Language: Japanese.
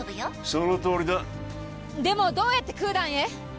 そのとおりだでもどうやってクーダンへ？